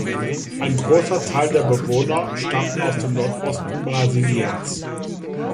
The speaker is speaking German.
Ein großer Teil der Bewohner stammt aus dem Nordosten Brasiliens.